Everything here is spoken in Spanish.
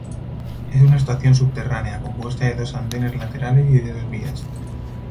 Es una estación subterránea, compuesta de dos andenes laterales y de dos vías.